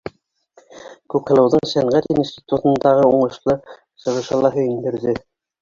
Күкһылыуҙың сәнғәт институтындағы уңышлы сығышы ла һөйөндөрҙө.